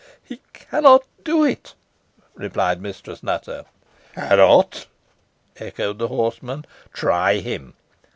"He cannot do it," replied Mistress Nutter. "Cannot!" echoed the horseman. "Try him!